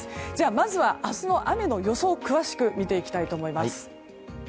まずは、明日の雨の予想を詳しく見ていきたいと思います。